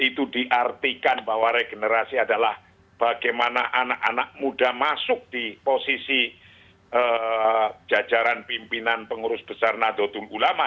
itu diartikan bahwa regenerasi adalah bagaimana anak anak muda masuk di posisi jajaran pimpinan pengurus besar nadotung ulama